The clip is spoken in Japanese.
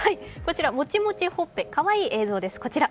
もちもちほっぺ、かわいい映像です。